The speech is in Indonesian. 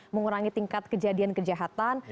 mengurangi tingkat kejadian kejahatan